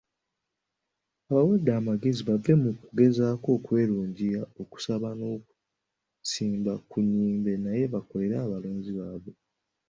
Abawadde amagezi bave mu kugezaako okwerungiya, okusaba n'okusiiba ku nnyimbe naye bakolere abalonzi baabwe.